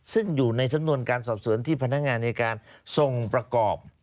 ซึ่งอยู่ในสำนวนการสอบสวนที่พนักงานอายการส่งประกอบ